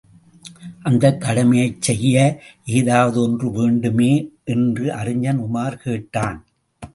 அந்தக் கடமையைச் செய்ய ஏதாவது ஒன்று வேண்டுமே! என்று அறிஞன் உமார் கேட்டான்.